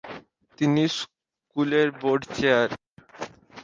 তিনি স্কুলের board chair.